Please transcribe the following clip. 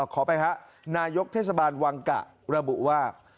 ขอไปฮะนายกเทศบาลวังกะระบุว่า